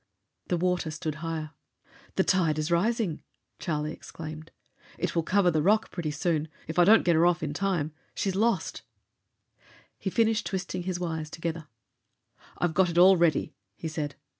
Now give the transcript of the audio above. The water stood higher. "The tide is rising!" Charlie exclaimed. "It will cover the rock pretty soon. If I don't get her off in time she's lost!" He finished twisting his wires together. "I've got it all ready," he said.